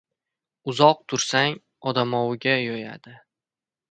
Uzoq tursang, odamoviga yo‘yadi…